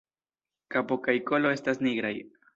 Kapo kaj kolo estas nigraj.